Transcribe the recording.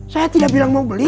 saya tidak bilang mau beli